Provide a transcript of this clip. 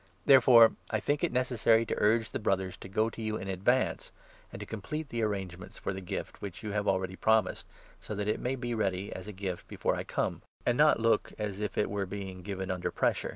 Therefore I think it necessary to urge 5 the Brothers to go to you in advance, and to complete the arrangements for the gift, which you have already promised, so that it may be ready, as a gift, before I come, and not look as if it were being given under pressure.